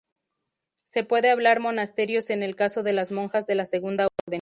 Se puede hablar monasterios en el caso de las monjas de la segunda orden.